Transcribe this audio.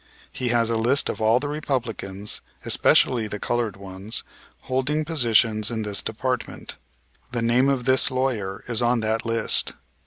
He has a list of all the Republicans, especially the colored ones, holding positions in this department. The name of this lawyer is on that list.